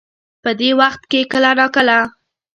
په دې وخت کې کله نا کله